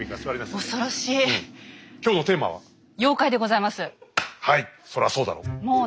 そらそうだろう。